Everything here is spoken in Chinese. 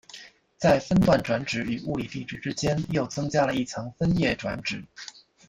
在分段转址与物理地址之间又增加了一层分页转址。